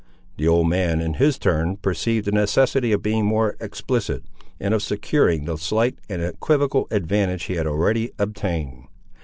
The old man, in his turn, perceived the necessity of being more explicit, and of securing the slight and equivocal advantage he had already obtained.